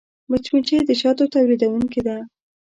مچمچۍ د شاتو تولیدوونکې ده